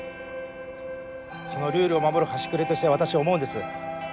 そのルールを守る端くれとして私思うんです。